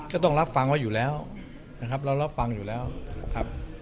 ก็ต้องรับฟังไว้อยู่แล้วนะครับเรารับฟังอยู่แล้วครับ